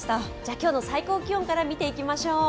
今日の最高気温から見ていきましょう。